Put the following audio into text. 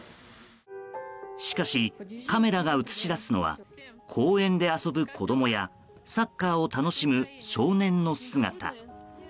しかし、カメラが映し出すのは公園で遊ぶ子供やサッカーを楽しむ少年の姿。